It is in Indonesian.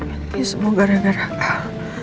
ini semua gara gara hal